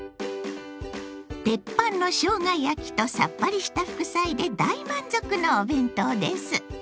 テッパンのしょうが焼きとさっぱりした副菜で大満足のお弁当です。